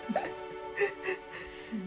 フフフ。